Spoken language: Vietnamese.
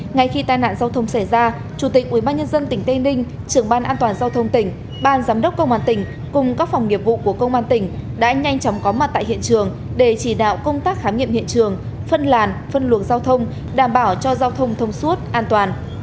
ngay khi tai nạn giao thông xảy ra chủ tịch ubnd tỉnh tây ninh trưởng ban an toàn giao thông tỉnh ban giám đốc công an tỉnh cùng các phòng nghiệp vụ của công an tỉnh đã nhanh chóng có mặt tại hiện trường để chỉ đạo công tác khám nghiệm hiện trường phân làn phân luồng giao thông đảm bảo cho giao thông thông suốt an toàn